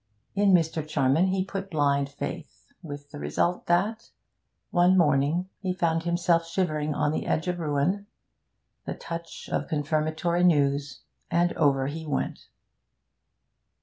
In Mr. Charman he put blind faith, with the result that one morning he found himself shivering on the edge of ruin; the touch of confirmatory news, and over he went.